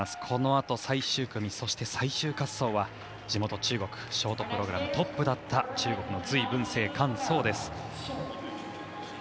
このあと、最終組そして最終滑走は地元・中国ショートプログラムトップだった隋文静、韓聡です。